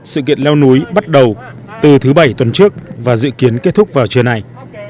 sự kiện leo núi bắt đầu từ thứ bảy tuần trước và dự kiến kết thúc vào trưa nay